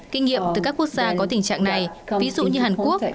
kinh nghiệm từ các quốc gia có tình trạng này ví dụ như hàn quốc